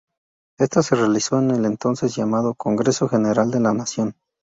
Esta se realizó en el entonces llamado "Congreso General de la Nación".